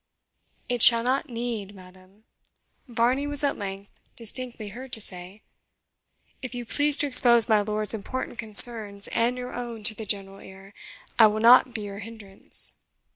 "It shall not need, madam," Varney was at length distinctly heard to say. "If you please to expose my lord's important concerns and your own to the general ear, I will not be your hindrance."